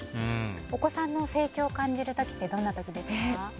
お子さんの成長を感じる時はどんな時ですか？